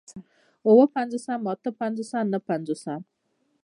اووه پنځوس اتۀ پنځوس نهه پنځوس